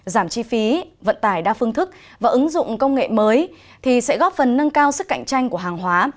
giảm chi phí vận tải đa phương thức và ứng dụng công nghệ mới thì sẽ góp phần nâng cao sức cạnh tranh của hàng hóa